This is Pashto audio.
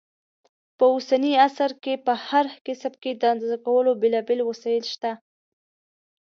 په اوسني عصر کې په هر کسب کې د اندازه کولو بېلابېل وسایل شته.